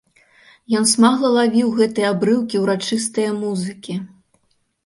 Ён смагла лавіў гэтыя абрыўкі ўрачыстае музыкі.